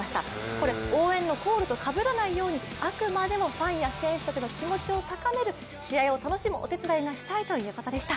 これ、応援のコールとかぶらないようにあくまでもファンや選手たちの気持ちを高める、試合を楽しむお手伝いがしたいということでした。